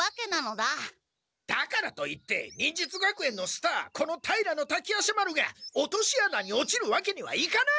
だからといって忍術学園のスターこの平滝夜叉丸が落とし穴に落ちるわけにはいかない！